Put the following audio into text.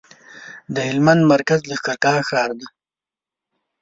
د هلمند مرکز لښکرګاه ښار دی